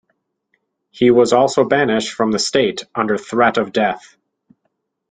He was also banished from the state under threat of death.